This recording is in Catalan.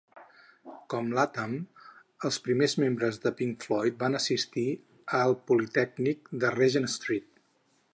Com Latham, els primers membres de Pink Floyd van assistir al Politècnic de Regent Street.